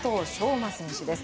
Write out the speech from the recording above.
馬選手です。